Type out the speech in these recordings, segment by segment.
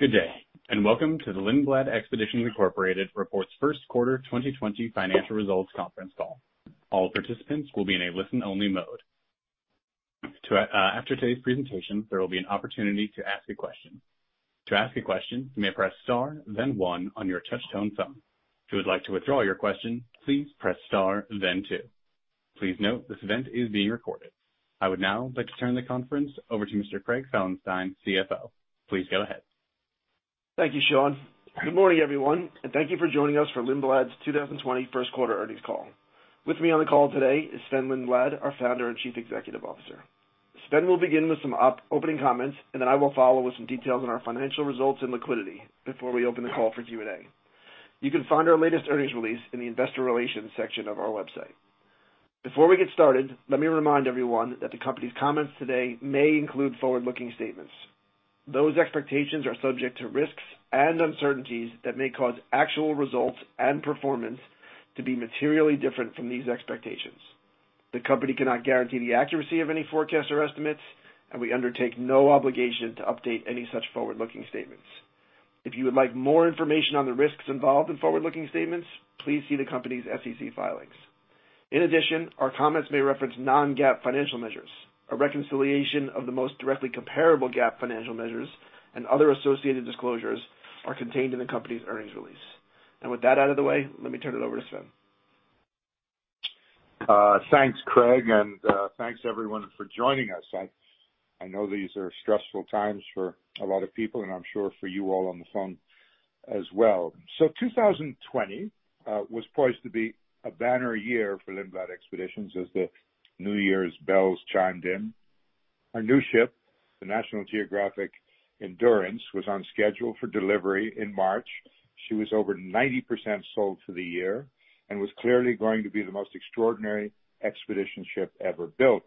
Good day, and welcome to the Lindblad Expeditions Incorporated reports first quarter 2020 financial results conference call. All participants will be in a listen-only mode. After today's presentation, there will be an opportunity to ask a question. To ask a question, you may press star then one on your touch-tone phone. If you would like to withdraw your question, please press star then two. Please note this event is being recorded. I would now like to turn the conference over to Mr. Craig Felenstein, CFO. Please go ahead. Thank you, Sean. Good morning, everyone, and thank you for joining us for Lindblad's 2020 first quarter earnings call. With me on the call today is Sven Lindblad, our founder and Chief Executive Officer. Sven will begin with some opening comments, and then I will follow with some details on our financial results and liquidity before we open the call for Q&A. You can find our latest earnings release in the investor relations section of our website. Before we get started, let me remind everyone that the company's comments today may include forward-looking statements. Those expectations are subject to risks and uncertainties that may cause actual results and performance to be materially different from these expectations. The company cannot guarantee the accuracy of any forecast or estimates, and we undertake no obligation to update any such forward-looking statements. If you would like more information on the risks involved in forward-looking statements, please see the company's SEC filings. In addition, our comments may reference non-GAAP financial measures. A reconciliation of the most directly comparable GAAP financial measures and other associated disclosures are contained in the company's earnings release. With that out of the way, let me turn it over to Sven. Thanks, Craig, and thanks everyone for joining us. I know these are stressful times for a lot of people, and I'm sure for you all on the phone as well. 2020 was poised to be a banner year for Lindblad Expeditions as the New Year's bells chimed in. Our new ship, the National Geographic Endurance, was on schedule for delivery in March. She was over 90% sold for the year and was clearly going to be the most extraordinary expedition ship ever built,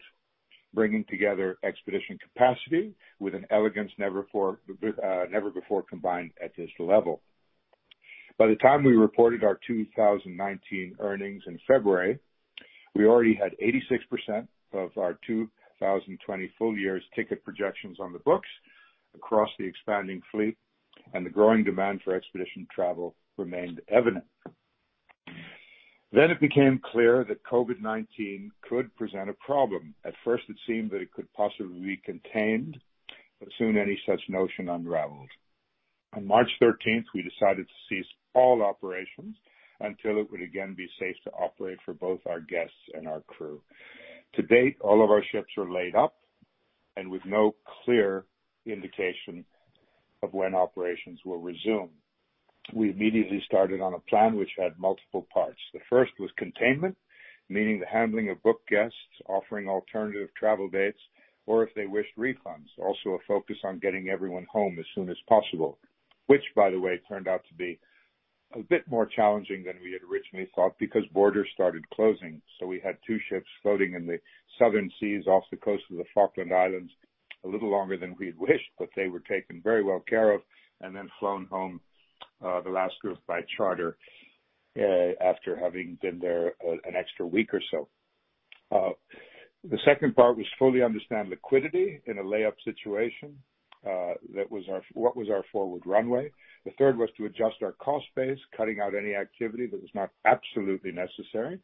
bringing together expedition capacity with an elegance never before combined at this level. By the time we reported our 2019 earnings in February, we already had 86% of our 2020 full year's ticket projections on the books across the expanding fleet, and the growing demand for expedition travel remained evident. It became clear that COVID-19 could present a problem. At first it seemed that it could possibly be contained, but soon any such notion unraveled. On March 13th, we decided to cease all operations until it would again be safe to operate for both our guests and our crew. To date, all of our ships are laid up and with no clear indication of when operations will resume. We immediately started on a plan which had multiple parts. The first was containment, meaning the handling of booked guests, offering alternative travel dates, or if they wished, refunds. Also a focus on getting everyone home as soon as possible. Which, by the way, turned out to be a bit more challenging than we had originally thought because borders started closing. We had two ships floating in the southern seas off the coast of the Falkland Islands a little longer than we'd wished, but they were taken very well care of and then flown home, the last group by charter, after having been there an extra week or so. The second part was fully understand liquidity in a layup situation. What was our forward runway? The third was to adjust our cost base, cutting out any activity that was not absolutely necessary.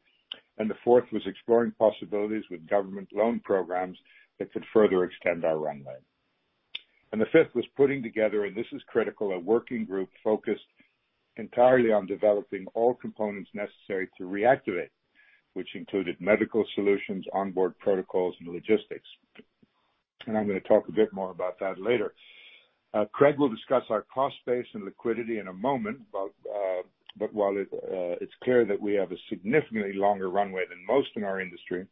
The fourth was exploring possibilities with government loan programs that could further extend our runway. The fifth was putting together, and this is critical, a working group focused entirely on developing all components necessary to reactivate, which included medical solutions, onboard protocols, and logistics. I'm going to talk a bit more about that later. While it's clear that we have a significantly longer runway than most in our industry,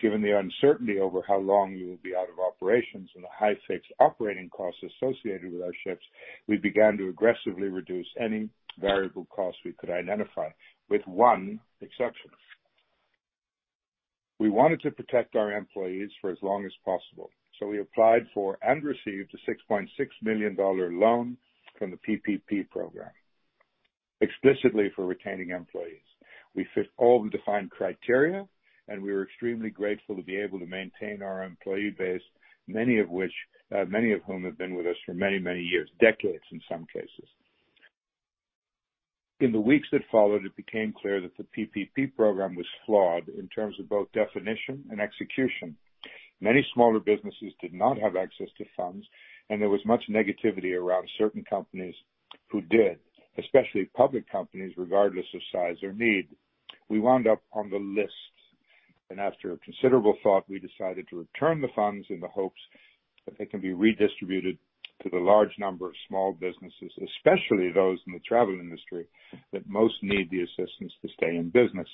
given the uncertainty over how long we will be out of operations and the high fixed operating costs associated with our ships, we began to aggressively reduce any variable costs we could identify, with one exception. We wanted to protect our employees for as long as possible. We applied for and received a $6.6 million loan from the PPP program, explicitly for retaining employees. We fit all the defined criteria, we were extremely grateful to be able to maintain our employee base, many of whom have been with us for many years, decades in some cases. In the weeks that followed, it became clear that the PPP program was flawed in terms of both definition and execution. Many smaller businesses did not have access to funds, and there was much negativity around certain companies who did, especially public companies, regardless of size or need. We wound up on the list, and after considerable thought, we decided to return the funds in the hopes that they can be redistributed to the large number of small businesses, especially those in the travel industry, that most need the assistance to stay in business.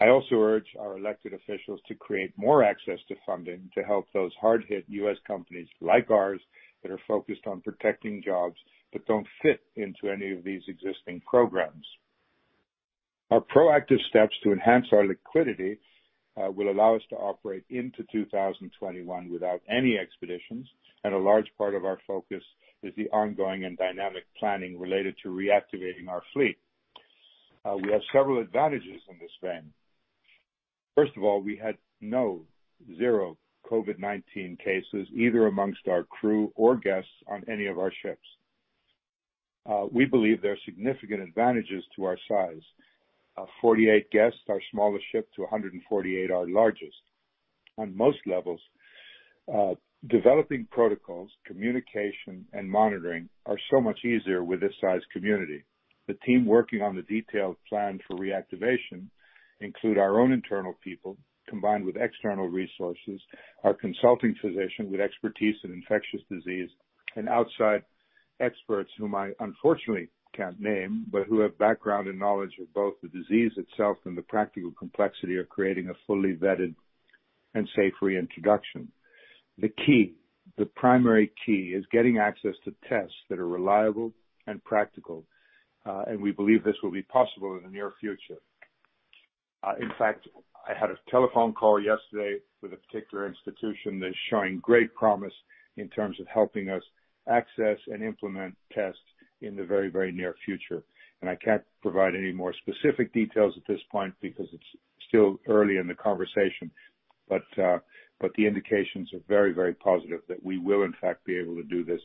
I also urge our elected officials to create more access to funding to help those hard-hit U.S. companies like ours that are focused on protecting jobs but don't fit into any of these existing programs. Our proactive steps to enhance our liquidity will allow us to operate into 2021 without any expeditions, and a large part of our focus is the ongoing and dynamic planning related to reactivating our fleet. We have several advantages in this vein. First of all, we had no, zero COVID-19 cases, either amongst our crew or guests on any of our ships. We believe there are significant advantages to our size. 48 guests, our smallest ship, to 148, our largest. On most levels, developing protocols, communication, and monitoring are so much easier with this size community. The team working on the detailed plan for reactivation include our own internal people combined with external resources, our consulting physician with expertise in infectious disease, and outside experts whom I unfortunately can't name, but who have background and knowledge of both the disease itself and the practical complexity of creating a fully vetted and safe reintroduction. The primary key is getting access to tests that are reliable and practical, and we believe this will be possible in the near future. In fact, I had a telephone call yesterday with a particular institution that is showing great promise in terms of helping us access and implement tests in the very near future. I can't provide any more specific details at this point because it's still early in the conversation, but the indications are very positive that we will in fact be able to do this.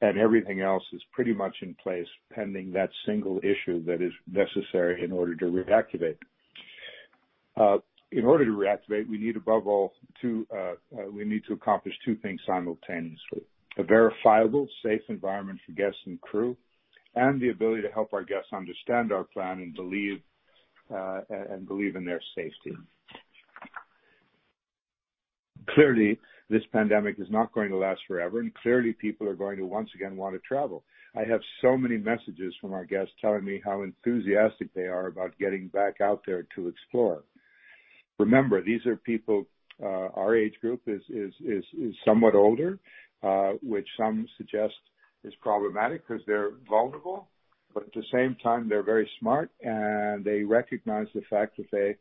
Everything else is pretty much in place pending that single issue that is necessary in order to reactivate. In order to reactivate, we need to accomplish two things simultaneously, a verifiable safe environment for guests and crew, and the ability to help our guests understand our plan and believe in their safety. Clearly, this pandemic is not going to last forever, clearly people are going to once again want to travel. I have so many messages from our guests telling me how enthusiastic they are about getting back out there to explore. Remember, these are people, our age group is somewhat older, which some suggest is problematic because they're vulnerable. At the same time, they're very smart, and they recognize the fact that they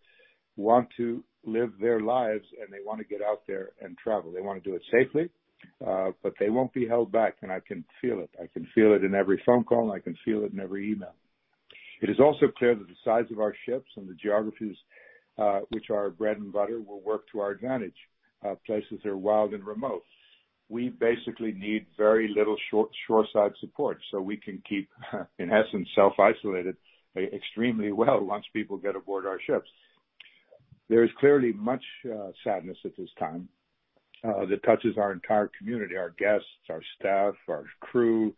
want to live their lives, and they want to get out there and travel. They want to do it safely, but they won't be held back, and I can feel it. I can feel it in every phone call, and I can feel it in every email. It is also clear that the size of our ships and the geographies, which are our bread and butter, will work to our advantage. Places that are wild and remote. We basically need very little shoreside support so we can keep, in essence, self-isolated extremely well once people get aboard our ships. There is clearly much sadness at this time that touches our entire community, our guests, our staff, our crew,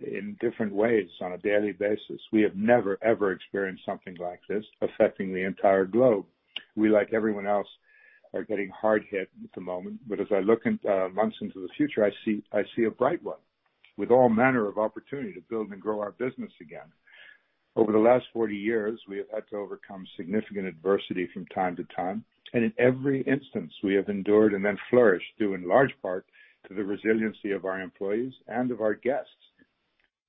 in different ways on a daily basis. We have never, ever experienced something like this affecting the entire globe. We, like everyone else, are getting hard hit at the moment, but as I look months into the future, I see a bright one with all manner of opportunity to build and grow our business again. Over the last 40 years, we have had to overcome significant adversity from time to time, and in every instance, we have endured and then flourished, due in large part to the resiliency of our employees and of our guests.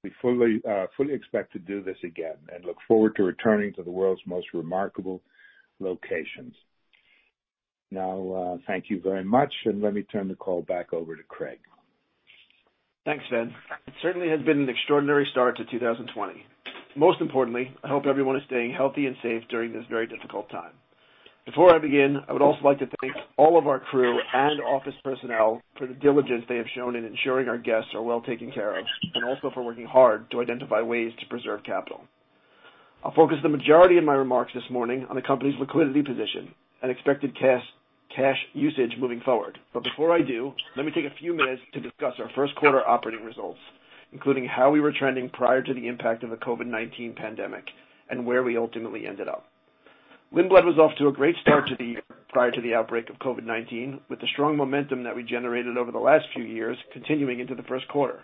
We fully expect to do this again and look forward to returning to the world's most remarkable locations. Thank you very much, and let me turn the call back over to Craig. Thanks, Sven. It certainly has been an extraordinary start to 2020. Most importantly, I hope everyone is staying healthy and safe during this very difficult time. Before I begin, I would also like to thank all of our crew and office personnel for the diligence they have shown in ensuring our guests are well taken care of, and also for working hard to identify ways to preserve capital. I'll focus the majority of my remarks this morning on the company's liquidity position and expected cash usage moving forward. Before I do, let me take a few minutes to discuss our first quarter operating results, including how we were trending prior to the impact of the COVID-19 pandemic, and where we ultimately ended up. Lindblad was off to a great start to the year prior to the outbreak of COVID-19, with the strong momentum that we generated over the last few years continuing into the first quarter.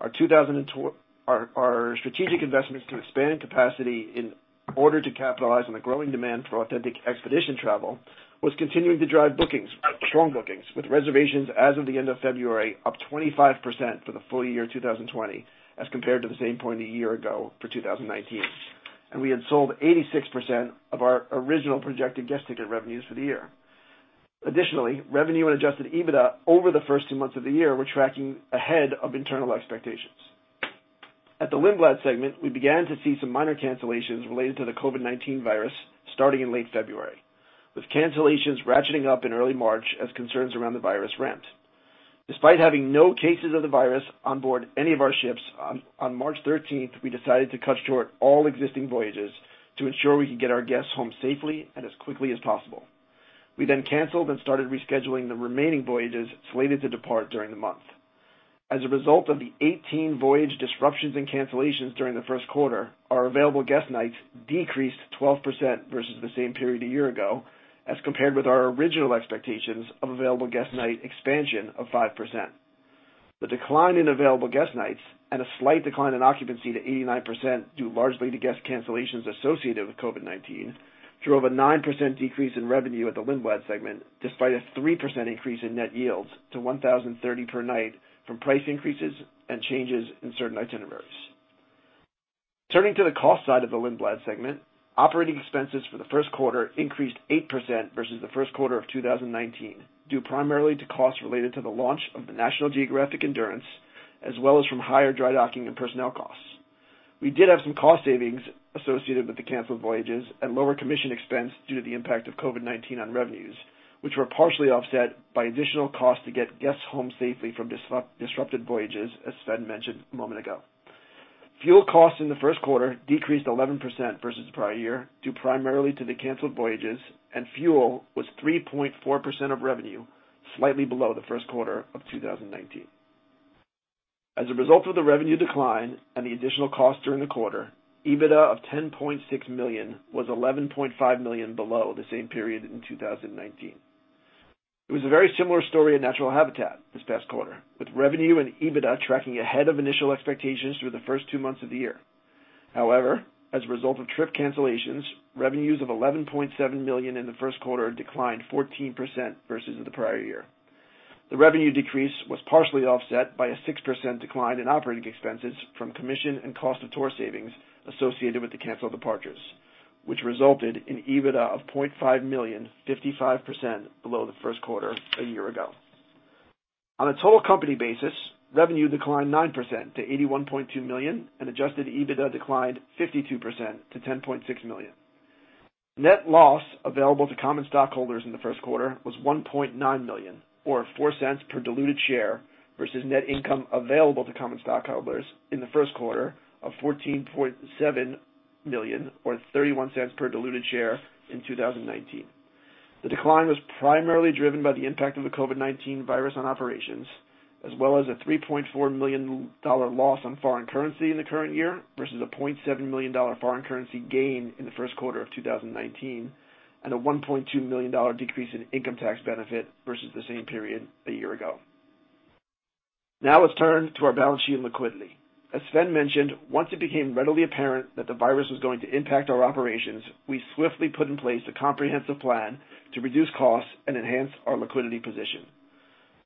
Our strategic investments to expand capacity in order to capitalize on the growing demand for authentic expedition travel was continuing to drive strong bookings with reservations as of the end of February, up 25% for the full year 2020 as compared to the same point a year ago for 2019. We had sold 86% of our original projected guest ticket revenues for the year. Additionally, revenue and adjusted EBITDA over the first two months of the year were tracking ahead of internal expectations. At the Lindblad segment, we began to see some minor cancellations related to the COVID-19 virus starting in late February, with cancellations ratcheting up in early March as concerns around the virus ramped. Despite having no cases of the virus on board any of our ships, on March 13th, we decided to cut short all existing voyages to ensure we could get our guests home safely and as quickly as possible. We canceled and started rescheduling the remaining voyages slated to depart during the month. As a result of the 18 voyage disruptions and cancellations during the first quarter, our available guest nights decreased 12% versus the same period a year ago as compared with our original expectations of available guest night expansion of 5%. The decline in available guest nights and a slight decline in occupancy to 89% due largely to guest cancellations associated with COVID-19, drove a 9% decrease in revenue at the Lindblad segment, despite a 3% increase in net yields to $1,030 per night from price increases and changes in certain itineraries. Turning to the cost side of the Lindblad segment, operating expenses for the first quarter increased 8% versus the first quarter of 2019, due primarily to costs related to the launch of the National Geographic Endurance, as well as from higher dry docking and personnel costs. We did have some cost savings associated with the canceled voyages and lower commission expense due to the impact of COVID-19 on revenues, which were partially offset by additional costs to get guests home safely from disrupted voyages, as Sven mentioned a moment ago. Fuel costs in the first quarter decreased 11% versus the prior year, due primarily to the canceled voyages, fuel was 3.4% of revenue, slightly below the first quarter of 2019. As a result of the revenue decline and the additional cost during the quarter, EBITDA of $10.6 million was $11.5 million below the same period in 2019. It was a very similar story at Natural Habitat this past quarter, with revenue and EBITDA tracking ahead of initial expectations through the first two months of the year. As a result of trip cancellations, revenues of $11.7 million in the first quarter declined 14% versus the prior year. The revenue decrease was partially offset by a 6% decline in operating expenses from commission and cost of tour savings associated with the canceled departures, which resulted in EBITDA of $0.5 million, 55% below the first quarter a year ago. On a total company basis, revenue declined 9% to $81.2 million, and adjusted EBITDA declined 52% to $10.6 million. Net loss available to common stockholders in the first quarter was $1.9 million, or $0.04 per diluted share, versus net income available to common stockholders in the first quarter of $14.7 million, or $0.31 per diluted share in 2019. The decline was primarily driven by the impact of the COVID-19 virus on operations, as well as a $3.4 million loss on foreign currency in the current year versus a $0.7 million foreign currency gain in the first quarter of 2019, and a $1.2 million decrease in income tax benefit versus the same period a year ago. Let's turn to our balance sheet and liquidity. As Sven mentioned, once it became readily apparent that the virus was going to impact our operations, we swiftly put in place a comprehensive plan to reduce costs and enhance our liquidity position.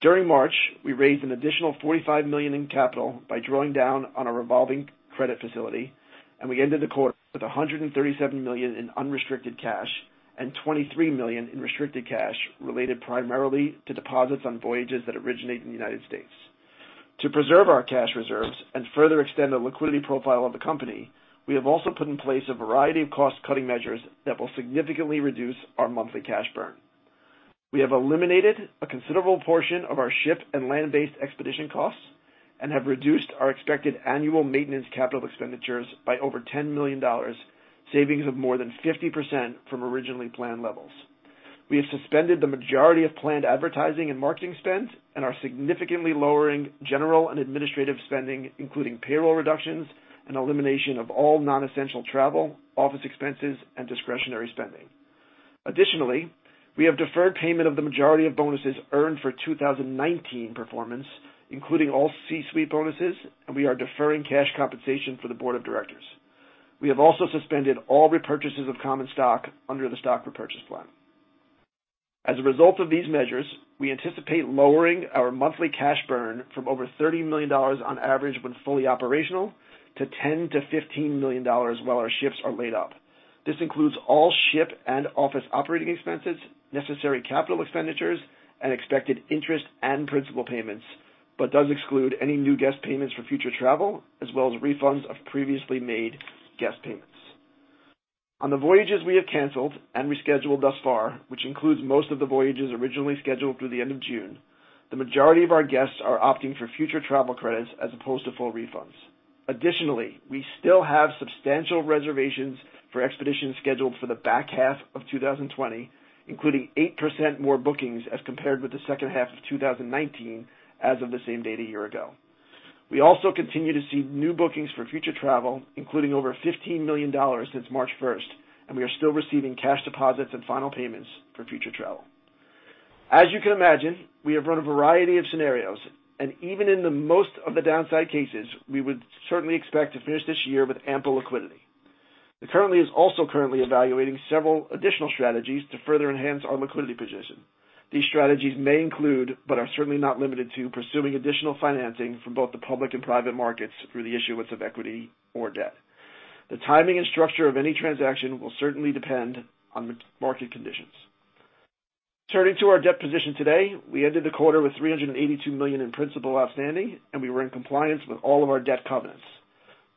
During March, we raised an additional $45 million in capital by drawing down on our revolving credit facility, and we ended the quarter with $137 million in unrestricted cash and $23 million in restricted cash related primarily to deposits on voyages that originate in the U.S. To preserve our cash reserves and further extend the liquidity profile of the company, we have also put in place a variety of cost-cutting measures that will significantly reduce our monthly cash burn. We have eliminated a considerable portion of our ship and land-based expedition costs and have reduced our expected annual maintenance capital expenditures by over $10 million, savings of more than 50% from originally planned levels. We have suspended the majority of planned advertising and marketing spends and are significantly lowering general and administrative spending, including payroll reductions and elimination of all non-essential travel, office expenses, and discretionary spending. Additionally, we have deferred payment of the majority of bonuses earned for 2019 performance, including all C-suite bonuses, and we are deferring cash compensation for the board of directors. We have also suspended all repurchases of common stock under the stock repurchase plan. As a result of these measures, we anticipate lowering our monthly cash burn from over $30 million on average when fully operational to $10 million-$15 million while our ships are laid up. This includes all ship and office operating expenses, necessary capital expenditures, and expected interest and principal payments, does exclude any new guest payments for future travel, as well as refunds of previously made guest payments. On the voyages we have canceled and rescheduled thus far, which includes most of the voyages originally scheduled through the end of June, the majority of our guests are opting for future travel credits as opposed to full refunds. Additionally, we still have substantial reservations for expeditions scheduled for the back half of 2020, including 8% more bookings as compared with the second half of 2019, as of the same date a year ago. We also continue to see new bookings for future travel, including over $15 million since March 1st. We are still receiving cash deposits and final payments for future travel. As you can imagine, we have run a variety of scenarios, even in the most of the downside cases, we would certainly expect to finish this year with ample liquidity. We currently is also evaluating several additional strategies to further enhance our liquidity position. These strategies may include, but are certainly not limited to, pursuing additional financing from both the public and private markets through the issuance of equity or debt. The timing and structure of any transaction will certainly depend on the market conditions. Turning to our debt position today, we ended the quarter with $382 million in principal outstanding. We were in compliance with all of our debt covenants.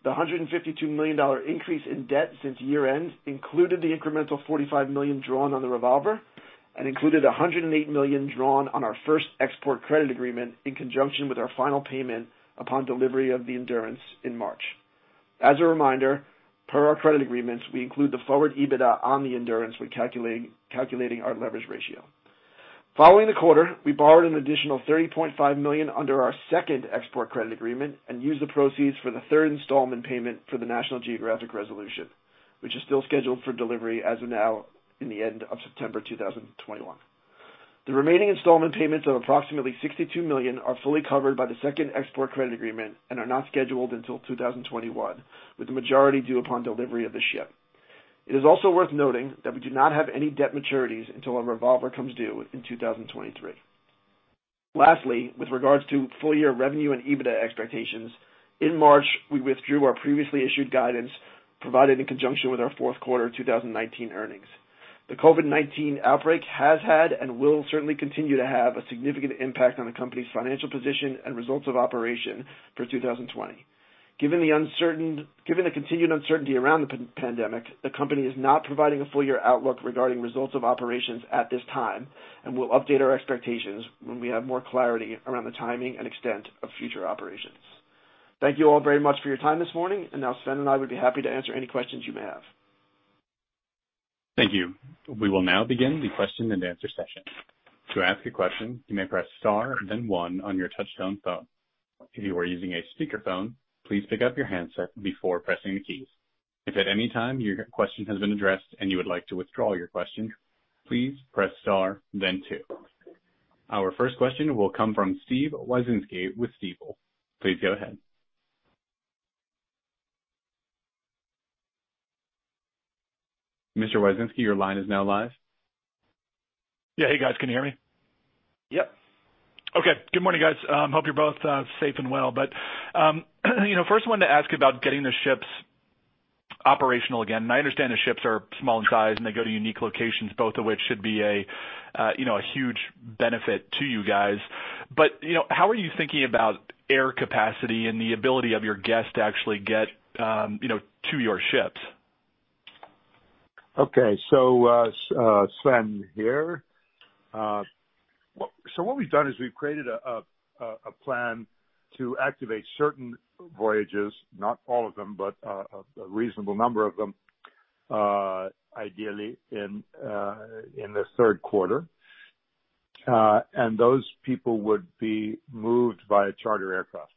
The $152 million increase in debt since year-end included the incremental $45 million drawn on the revolver and included $108 million drawn on our first export credit agreement in conjunction with our final payment upon delivery of the Endurance in March. As a reminder, per our credit agreements, we include the forward EBITDA on the Endurance when calculating our leverage ratio. Following the quarter, we borrowed an additional $30.5 million under our second export credit agreement and used the proceeds for the third installment payment for the National Geographic Resolution, which is still scheduled for delivery as of now in the end of September 2021. The remaining installment payments of approximately $62 million are fully covered by the second export credit agreement and are not scheduled until 2021, with the majority due upon delivery of the ship. It is also worth noting that we do not have any debt maturities until our revolver comes due in 2023. Lastly, with regards to full-year revenue and EBITDA expectations, in March, we withdrew our previously issued guidance provided in conjunction with our fourth quarter 2019 earnings. The COVID-19 outbreak has had, and will certainly continue to have, a significant impact on the company's financial position and results of operation for 2020. Given the continued uncertainty around the pandemic, the company is not providing a full-year outlook regarding results of operations at this time, and we'll update our expectations when we have more clarity around the timing and extent of future operations. Thank you all very much for your time this morning, and now Sven and I would be happy to answer any questions you may have. Thank you. We will now begin the question and answer session. To ask a question, you may press star then one on your touchtone phone. If you are using a speakerphone, please pick up your handset before pressing the keys. If at any time your question has been addressed and you would like to withdraw your question, please press star then two. Our first question will come from Steven Wieczynski with Stifel. Please go ahead. Mr. Wieczynski, your line is now live. Yeah. Hey, guys. Can you hear me? Yep. Okay. Good morning, guys. Hope you're both safe and well. I first wanted to ask about getting the ships operational again. I understand the ships are small in size, and they go to unique locations, both of which should be a huge benefit to you guys. How are you thinking about air capacity and the ability of your guests to actually get to your ships? Okay. Sven here. What we've done is we've created a plan to activate certain voyages, not all of them, but a reasonable number of them, ideally in the third quarter. Those people would be moved by a charter aircraft.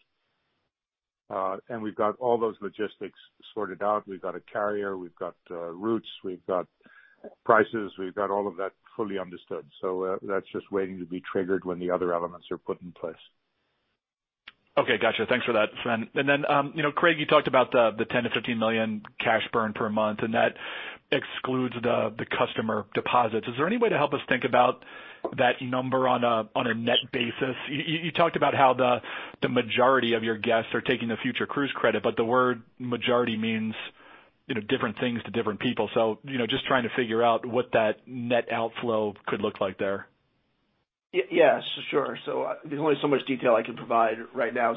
We've got all those logistics sorted out. We've got a carrier, we've got routes, we've got prices, we've got all of that fully understood. That's just waiting to be triggered when the other elements are put in place. Okay. Got you. Thanks for that, Sven. Craig, you talked about the $10 million-$15 million cash burn per month, and that excludes the customer deposits. Is there any way to help us think about that number on a net basis? You talked about how the majority of your guests are taking the future cruise credit, but the word majority means different things to different people. Just trying to figure out what that net outflow could look like there. Yeah, sure. There's only so much detail I can provide right now.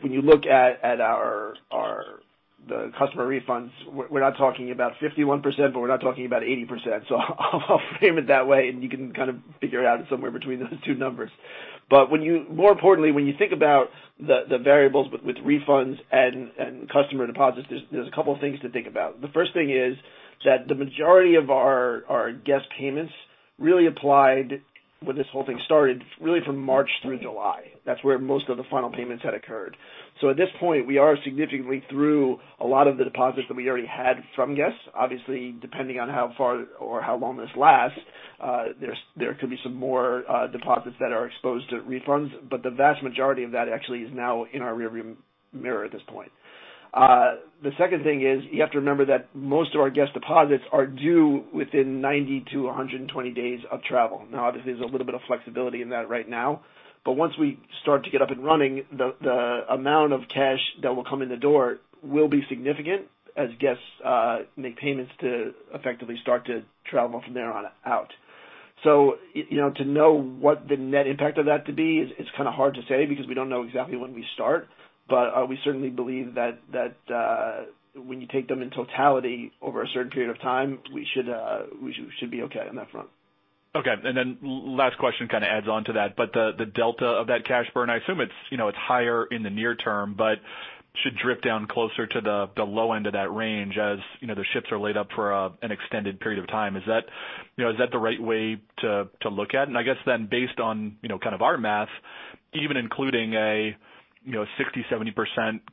When you look at the customer refunds, we're not talking about 51%, but we're not talking about 80%. I'll frame it that way, and you can figure it out somewhere between those two numbers. More importantly, when you think about the variables with refunds and customer deposits, there's a couple of things to think about. The first thing is that the majority of our guest payments really applied when this whole thing started, really from March through July. That's where most of the final payments had occurred. At this point, we are significantly through a lot of the deposits that we already had from guests. Obviously, depending on how far or how long this lasts, there could be some more deposits that are exposed to refunds. The vast majority of that actually is now in our rearview mirror at this point. The second thing is you have to remember that most of our guest deposits are due within 90 to 120 days of travel. Now, obviously, there's a little bit of flexibility in that right now. Once we start to get up and running, the amount of cash that will come in the door will be significant as guests make payments to effectively start to travel from there on out. To know what the net impact of that to be, it's kind of hard to say because we don't know exactly when we start. We certainly believe that when you take them in totality over a certain period of time, we should be okay on that front. Okay. Then last question kind of adds on to that. The delta of that cash burn, I assume it's higher in the near term but should drip down closer to the low end of that range as the ships are laid up for an extended period of time. Is that the right way to look at it? I guess then based on our math, even including a 60%-70%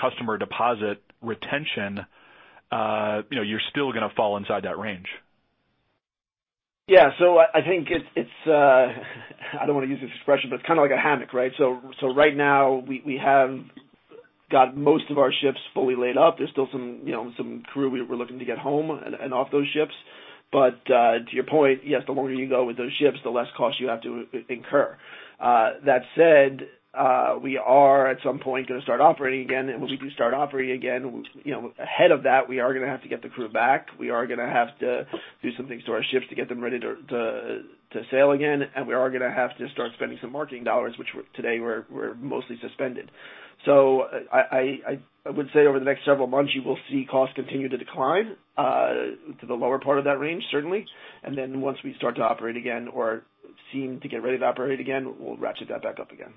customer deposit retention, you're still going to fall inside that range. Yeah. I think it's, I don't want to use the expression, but it's kind of like a hammock, right? Right now, we have got most of our ships fully laid up. There's still some crew we're looking to get home and off those ships. To your point, yes, the longer you go with those ships, the less cost you have to incur. That said, we are at some point going to start operating again. When we do start operating again, ahead of that, we are going to have to get the crew back. We are going to have to do some things to our ships to get them ready to sail again. We are going to have to start spending some marketing dollars, which today were mostly suspended. I would say over the next several months, you will see costs continue to decline to the lower part of that range, certainly. Once we start to operate again or seem to get ready to operate again, we'll ratchet that back up again.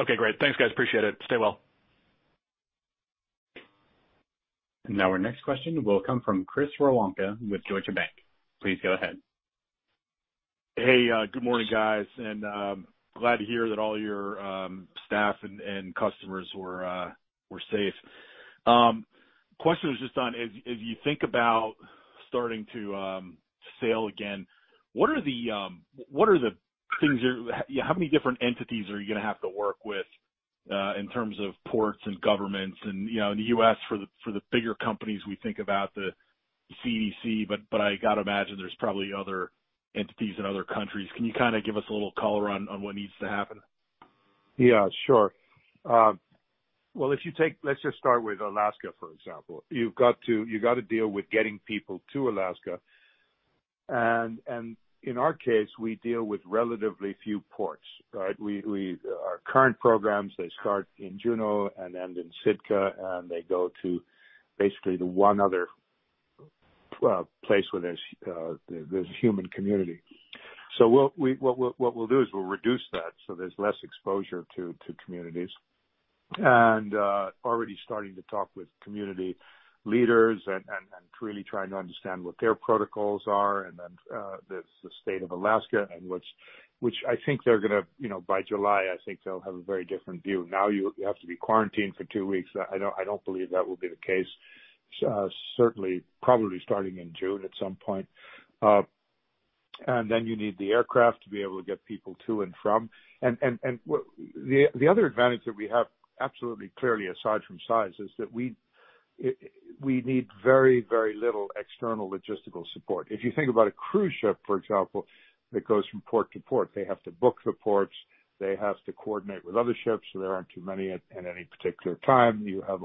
Okay, great. Thanks, guys. Appreciate it. Stay well. Now our next question will come from Chris Rowanka with Georgia Bank. Please go ahead. Hey, good morning, guys. Glad to hear that all your staff and customers were safe. Question is just on, as you think about starting to sail again, how many different entities are you going to have to work with in terms of ports and governments? In the U.S., for the bigger companies, we think about the CDC, I got to imagine there's probably other entities in other countries. Can you give us a little color on what needs to happen? Well, let's just start with Alaska, for example. You've got to deal with getting people to Alaska, and in our case, we deal with relatively few ports, right? Our current programs, they start in Juneau and end in Sitka, and they go to basically the one other place where there's a human community. What we'll do is we'll reduce that so there's less exposure to communities. Already starting to talk with community leaders and really trying to understand what their protocols are, and then there's the state of Alaska, which I think they're going to, by July, I think they'll have a very different view. You have to be quarantined for two weeks. I don't believe that will be the case, certainly, probably starting in June at some point. Then you need the aircraft to be able to get people to and from. The other advantage that we have absolutely clearly, aside from size, is that we need very, very little external logistical support. If you think about a cruise ship, for example, that goes from port to port, they have to book the ports. They have to coordinate with other ships so there aren't too many at any particular time. You have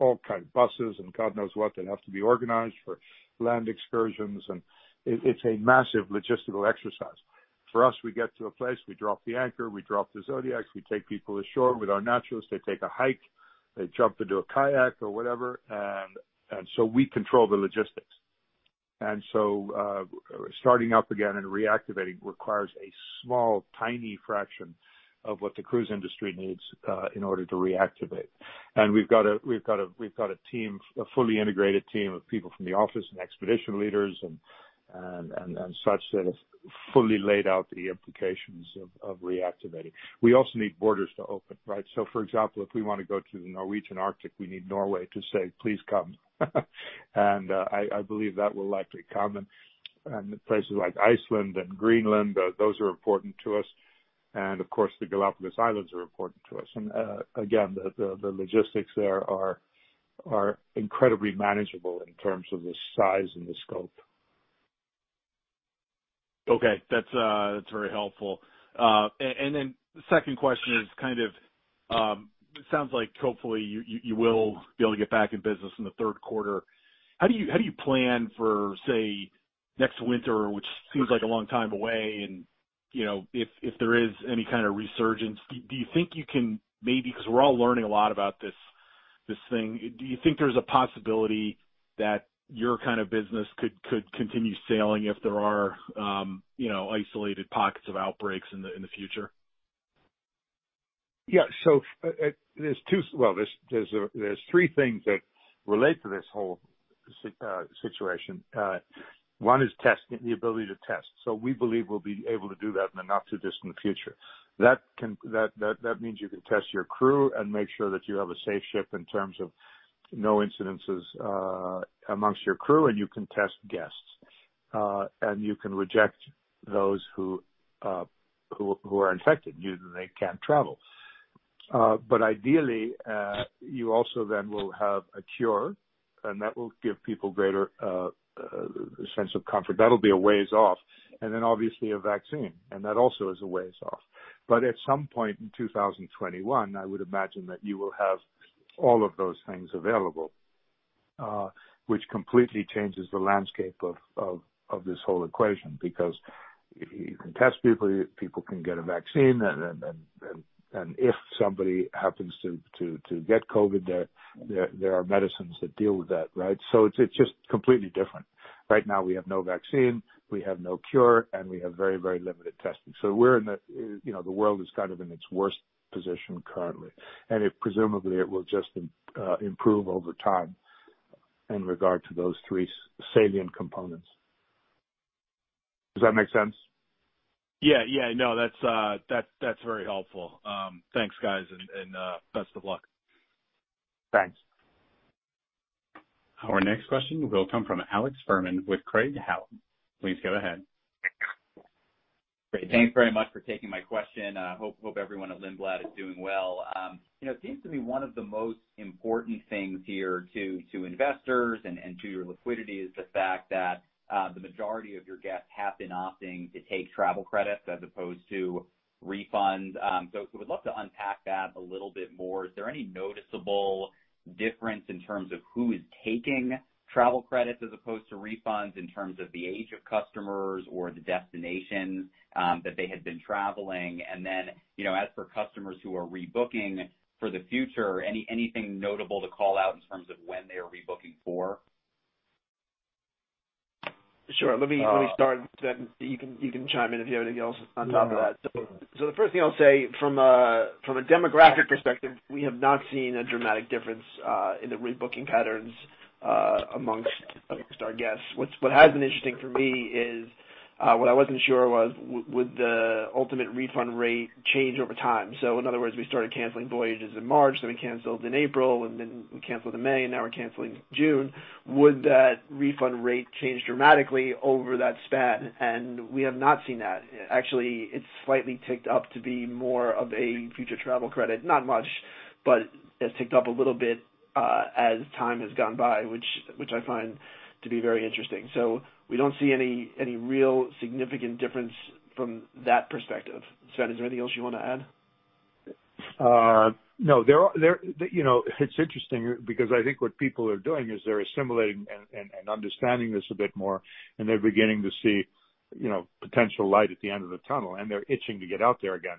all kind of buses and God knows what that have to be organized for land excursions, and it's a massive logistical exercise. For us, we get to a place, we drop the anchor, we drop the Zodiacs, we take people ashore with our naturalists. They take a hike. They jump into a kayak or whatever. We control the logistics. Starting up again and reactivating requires a small, tiny fraction of what the cruise industry needs in order to reactivate. We've got a team, a fully integrated team of people from the office and expedition leaders and such that have fully laid out the implications of reactivating. We also need borders to open, right? For example, if we want to go to the Norwegian Arctic, we need Norway to say, "Please come." I believe that will likely come. Places like Iceland and Greenland, those are important to us. Of course, the Galapagos Islands are important to us. Again, the logistics there are incredibly manageable in terms of the size and the scope. Okay. That's very helpful. The second question is, it sounds like hopefully you will be able to get back in business in the third quarter. How do you plan for, say, next winter, which seems like a long time away and if there is any kind of resurgence, do you think you can maybe, because we're all learning a lot about this thing, do you think there's a possibility that your kind of business could continue sailing if there are isolated pockets of outbreaks in the future? Yeah. There's three things that relate to this whole situation. One is testing, the ability to test. We believe we'll be able to do that in a not too distant future. That means you can test your crew and make sure that you have a safe ship in terms of no incidences amongst your crew, and you can test guests. You can reject those who are infected. They can't travel. Ideally, you also then will have a cure, and that will give people greater sense of comfort. That'll be a ways off, and then obviously a vaccine, and that also is a ways off. At some point in 2021, I would imagine that you will have all of those things available, which completely changes the landscape of this whole equation. You can test people can get a vaccine, and if somebody happens to get COVID, there are medicines that deal with that, right? It's just completely different. Right now, we have no vaccine, we have no cure, and we have very, very limited testing. The world is kind of in its worst position currently, and presumably, it will just improve over time in regard to those three salient components. Does that make sense? Yeah. No, that's very helpful. Thanks, guys, and best of luck. Thanks. Our next question will come from Alex Ferman with Craig-Hallum. Please go ahead. Great. Thanks very much for taking my question. I hope everyone at Lindblad is doing well. It seems to be one of the most important things here to investors and to your liquidity is the fact that the majority of your guests have been opting to take travel credits as opposed to refunds. Would love to unpack that a little bit more. Is there any noticeable difference in terms of who is taking travel credits as opposed to refunds in terms of the age of customers or the destinations that they had been traveling? As for customers who are rebooking for the future, anything notable to call out in terms of when they are rebooking for? Sure. Let me start, then you can chime in if you have anything else on top of that. No. The first thing I'll say from a demographic perspective, we have not seen a dramatic difference in the rebooking patterns amongst our guests. What has been interesting for me is, what I wasn't sure was, would the ultimate refund rate change over time? In other words, we started canceling voyages in March, then we canceled in April, and then we canceled in May, and now we're canceling June. Would that refund rate change dramatically over that span? We have not seen that. Actually, it's slightly ticked up to be more of a future travel credit. Not much. But it's ticked up a little bit as time has gone by, which I find to be very interesting. We don't see any real significant difference from that perspective. Sven, is there anything else you want to add? No. It's interesting because I think what people are doing is they're assimilating and understanding this a bit more. They're beginning to see potential light at the end of the tunnel, and they're itching to get out there again.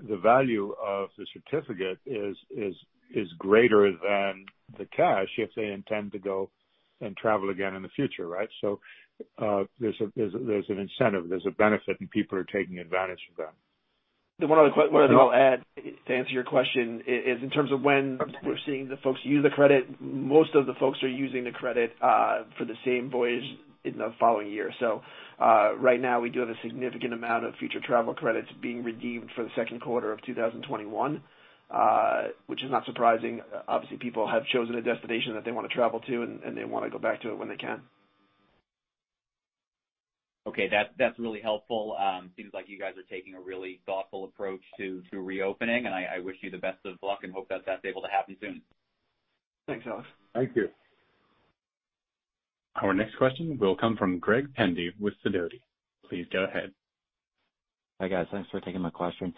The value of the certificate is greater than the cash if they intend to go and travel again in the future, right? There's an incentive, there's a benefit, and people are taking advantage of that. The one other thing I'll add to answer your question is in terms of when we're seeing the folks use the credit, most of the folks are using the credit for the same voyage in the following year. Right now we do have a significant amount of future travel credits being redeemed for the second quarter of 2021, which is not surprising. Obviously, people have chosen a destination that they want to travel to, and they want to go back to it when they can. Okay, that's really helpful. Seems like you guys are taking a really thoughtful approach to reopening, and I wish you the best of luck and hope that's able to happen soon. Thanks, Alex. Thank you. Our next question will come from Greg Pendy with Sidoti. Please go ahead. Hi, guys. Thanks for taking my question.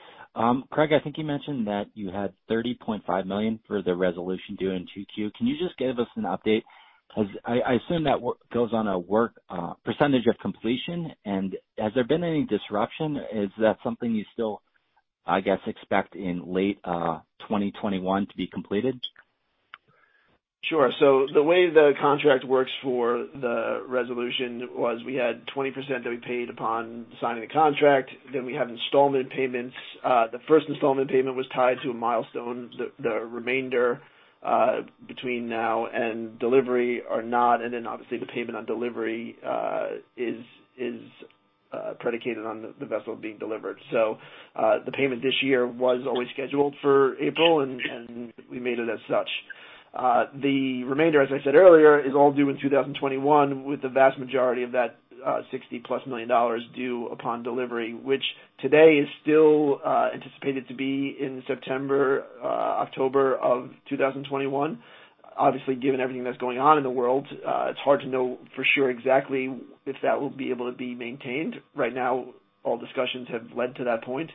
Craig, I think you mentioned that you had $30.5 million for the National Geographic Resolution due in Q2. Can you just give us an update? Because I assume that goes on a work percentage of completion, and has there been any disruption? Is that something you still, I guess, expect in late 2021 to be completed? Sure. The way the contract works for the resolution was we had 20% that we paid upon signing the contract, then we have installment payments. The first installment payment was tied to a milestone. The remainder, between now and delivery, are not. Obviously the payment on delivery is predicated on the vessel being delivered. The payment this year was always scheduled for April, and we made it as such. The remainder, as I said earlier, is all due in 2021, with the vast majority of that, $60-plus million, due upon delivery, which today is still anticipated to be in September, October of 2021. Obviously, given everything that's going on in the world, it's hard to know for sure exactly if that will be able to be maintained. Right now, all discussions have led to that point,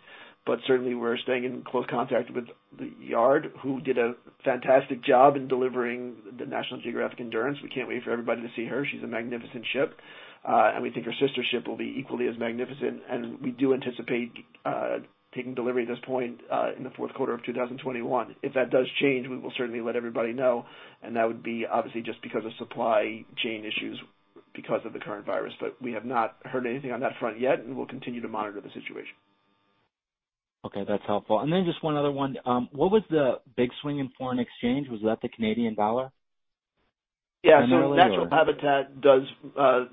but certainly we're staying in close contact with the yard, who did a fantastic job in delivering the National Geographic Endurance. We can't wait for everybody to see her. She's a magnificent ship. We think her sister ship will be equally as magnificent, and we do anticipate taking delivery at this point, in the fourth quarter of 2021. If that does change, we will certainly let everybody know, and that would be obviously just because of supply chain issues because of the current virus. We have not heard anything on that front yet, and we'll continue to monitor the situation. Okay, that's helpful. Just one other one. What was the big swing in foreign exchange? Was that the Canadian dollar? Yeah. Natural Habitat does a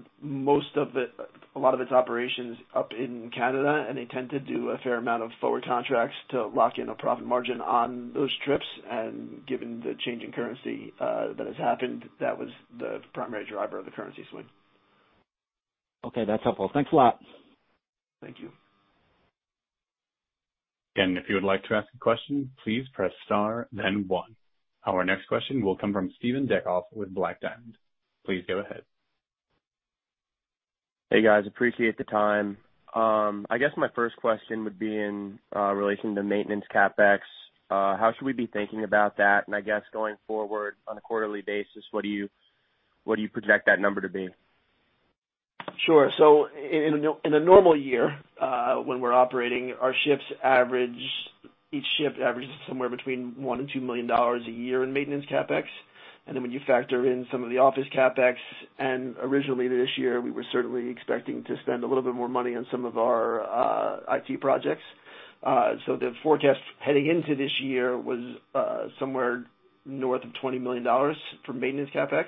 lot of its operations up in Canada, and they tend to do a fair amount of forward contracts to lock in a profit margin on those trips. Given the change in currency that has happened, that was the primary driver of the currency swing. Okay, that's helpful. Thanks a lot. Thank you. If you would like to ask a question, please press star then one. Our next question will come from Stephen Deckoff with Black Diamond. Please go ahead. Hey, guys. Appreciate the time. I guess my first question would be in relation to maintenance CapEx. How should we be thinking about that? I guess going forward on a quarterly basis, what do you project that number to be? Sure. In a normal year, when we're operating, our ships average, each ship averages somewhere between $1 million and $2 million a year in maintenance CapEx. When you factor in some of the office CapEx, originally this year, we were certainly expecting to spend a little bit more money on some of our IT projects. The forecast heading into this year was somewhere north of $20 million for maintenance CapEx.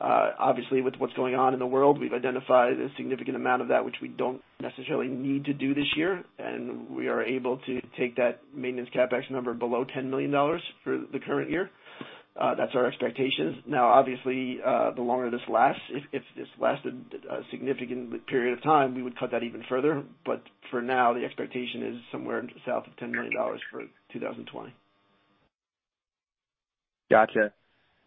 Obviously, with what's going on in the world, we've identified a significant amount of that which we don't necessarily need to do this year, and we are able to take that maintenance CapEx number below $10 million for the current year. That's our expectations. Obviously, the longer this lasts, if this lasted a significant period of time, we would cut that even further. For now, the expectation is somewhere south of $10 million for 2020. Gotcha.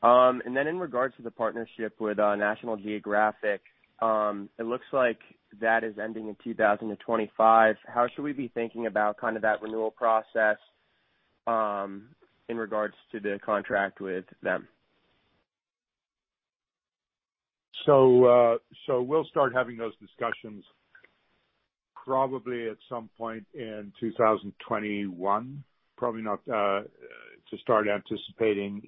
In regards to the partnership with National Geographic, it looks like that is ending in 2025. How should we be thinking about kind of that renewal process, in regards to the contract with them? We'll start having those discussions probably at some point in 2021. Probably not to start anticipating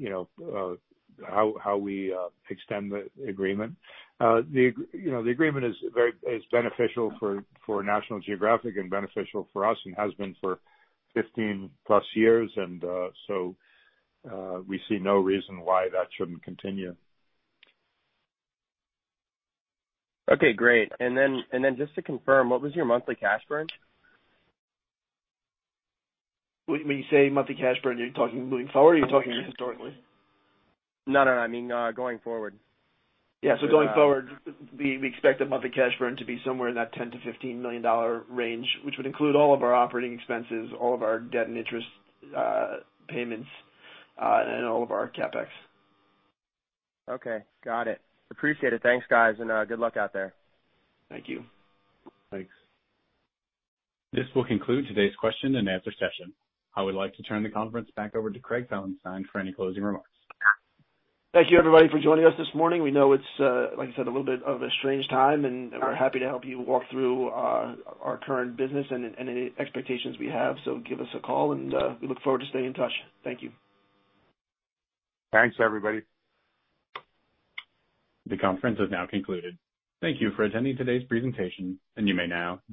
how we extend the agreement. The agreement is beneficial for National Geographic and beneficial for us and has been for 15-plus years. We see no reason why that shouldn't continue. Okay, great. Just to confirm, what was your monthly cash burn? When you say monthly cash burn, are you talking moving forward or are you talking historically? No, I mean, going forward. Yeah. Going forward, we expect the monthly cash burn to be somewhere in that $10 million-$15 million range, which would include all of our operating expenses, all of our debt and interest payments, and all of our CapEx. Okay, got it. Appreciate it. Thanks, guys, and good luck out there. Thank you. Thanks. This will conclude today's question-and-answer session. I would like to turn the conference back over to Craig Felenstein for any closing remarks. Thank you, everybody, for joining us this morning. We know it's, like I said, a little bit of a strange time, and we're happy to help you walk through our current business and any expectations we have. Give us a call, and we look forward to staying in touch. Thank you. Thanks, everybody. The conference has now concluded. Thank you for attending today's presentation. You may now disconnect.